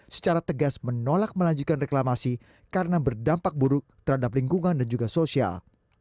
secara tegas menolak melanjutkan reklamasi karena berdampak buruk terhadap lingkungan dan juga sosial